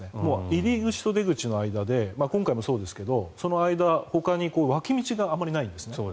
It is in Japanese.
入り口と出口の間で今回もそうですけどその間、ほかに脇道があまりないんですね。